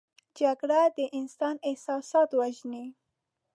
جګړه د انسان احساسات وژني